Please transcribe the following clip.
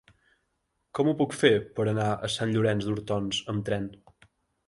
Com ho puc fer per anar a Sant Llorenç d'Hortons amb tren?